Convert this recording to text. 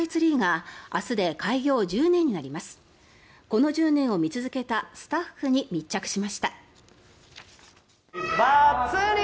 この１０年を見続けたスタッフに密着しました。